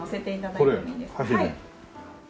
はい。